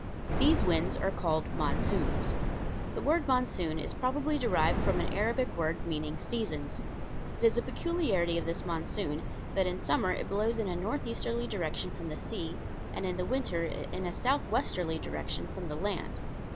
These winds are called "monsoons." The word monsoon is probably derived from an Arabic word meaning "seasons." It is a peculiarity of this monsoon that in summer it blows in a northeasterly direction from the sea and in the winter in a southwesterly direction from the land.